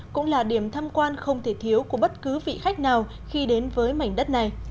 cũng là điểm thăm quan không thể thiếu của bất cứ vị khách nào khi đến với mảnh đất này